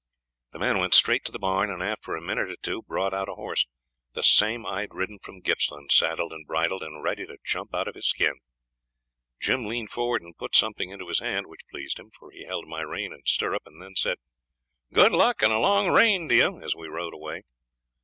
The man went straight to the barn, and after a minute or two brought out a horse the same I'd ridden from Gippsland, saddled and bridled, and ready to jump out of his skin. Jim leaned forward and put something into his hand, which pleased him, for he held my rein and stirrup, and then said 'Good luck and a long reign to you,' as we rode away.